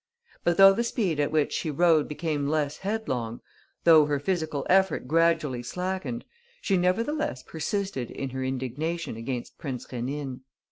But, though the speed at which she rode became less headlong, though her physical effort gradually slackened, she nevertheless persisted in her indignation against Prince Rénine.